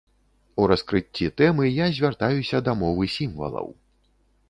У раскрыцці тэмы я звяртаюся да мовы сімвалаў.